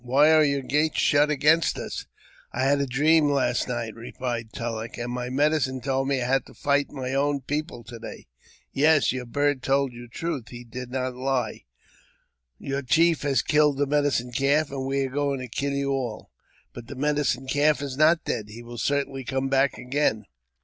Why are your gates shut against us ?"I had a dream last night," replied Tulleck, " and my medi cine told me I had to fight my own people to day." " Yes, your bird told you truth ; he did not lie. Your chief has killed the Medicine Calf, and we are going to kill you all." " But the Medicine Calf is not dead ; he will certainly come back again."